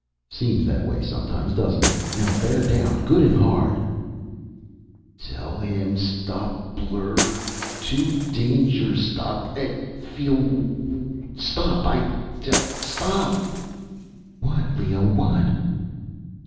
"Seems that way sometimes, doesn't it? Now bear down good and hard." Tell him stop blurrrr too dangerrrr stop I feel worrrr stop I tellrrrr stop "What, Leo? What?"